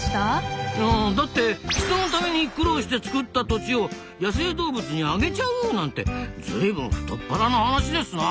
だって人のために苦労して作った土地を野生動物にあげちゃうなんてずいぶん太っ腹な話ですなあ。